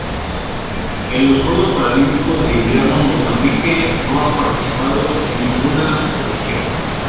En los Juegos Paralímpicos de Invierno Mozambique no ha participado en ninguna edición.